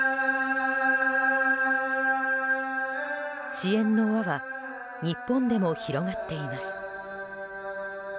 支援の輪は日本でも広がっています。